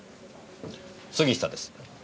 杉下です。